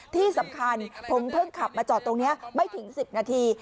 ที่สำคัญผมเพิ่งขับมาจอดตรงนี้ไม่ถึง๑๐นาที